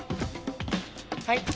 はい。